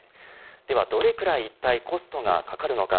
ではどれくらいコストがかかるのか。